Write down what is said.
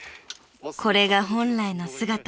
［これが本来の姿］